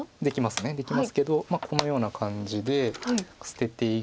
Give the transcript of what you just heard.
できますけどこのような感じで捨てていく。